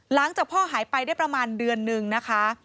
หลังจากพ่อหายไปได้ประมาณเดือนนึงนะคะ